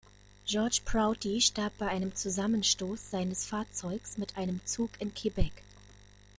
George Prouty starb bei einem Zusammenstoß seines Fahrzeugs mit einem Zug in Quebec.